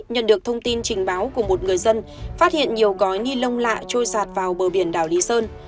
nhận được thông tin trình báo của một người dân phát hiện nhiều gói ni lông lạ trôi sạt vào bờ biển đảo lý sơn